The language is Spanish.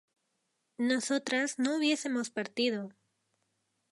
¿nosotras no hubiésemos partido?